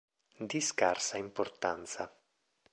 Di scarsa importanza.